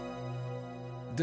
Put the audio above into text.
で